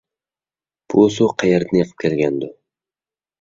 بۇ سۇ قەيەردىن ئېقىپ كەلگەندۇ؟